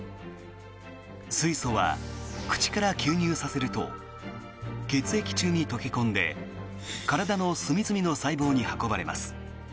水素は口から吸入させると血液中に溶け込んで体の隅々の細胞に運ばれます。